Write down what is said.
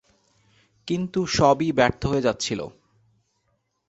কিন্তু সবই ব্যর্থ হয়ে যাচ্ছিল।